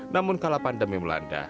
namun kala pandemi melanda